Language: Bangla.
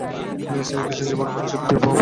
শ্রীকৃষ্ণের জীবন মানে - শুধু বিবাহ এবং প্রেম নয়।